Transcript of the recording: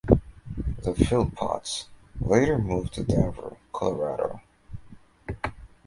The Philpotts later moved to Denver, Colorado.